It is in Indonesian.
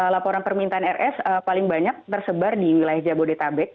laporan permintaan rs paling banyak tersebar di wilayah jabodetabek